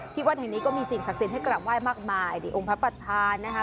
ที่วันแห่งนี้ก็มีสิ่งศักดิ์สินให้กล่ามไหว้มากมายดิองค์พระประธานนะฮะ